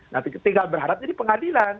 nah tinggal berharap jadi pengadilan